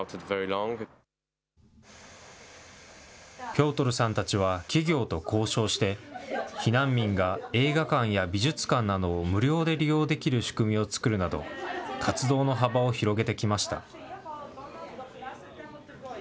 ピョートルさんたちは企業と交渉して、避難民が映画館や美術館などを無料で利用できる仕組みを作るなど、活動の幅を広げてきました。